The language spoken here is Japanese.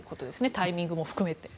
タイミングも含めて。